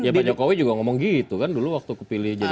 ya pak jokowi juga ngomong gitu kan dulu waktu kepilih jadi